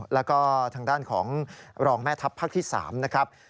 แล้วก็ทางด้านของรองแม่ทัพภาคที่๓นะครับ